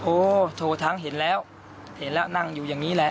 โอ้โททั้งเห็นแล้วเห็นแล้วนั่งอยู่อย่างนี้แหละ